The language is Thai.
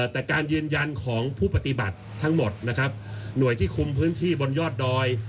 แต่การยืนยันของผู้ปฏิบัติทั้งหมดนะครับหน่วยที่คุมพื้นที่บนยอดดอย